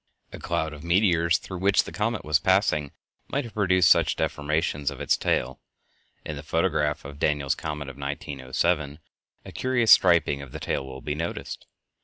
A cloud of meteors through which the comet was passing might have produced such deformations of its tail. In the photograph of Daniels' comet of 1907, a curious striping of the tail will be noticed.